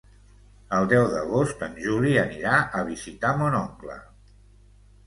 El deu d'agost en Juli anirà a visitar mon oncle.